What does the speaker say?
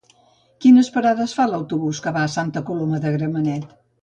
Quines parades fa l'autobús que va a Santa Coloma de Gramenet?